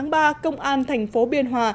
ngày một ba công an tp biên hòa